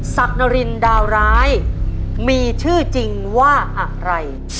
ศักดิ์นรินดาวร้ายมีชื่อจริงว่าอะไร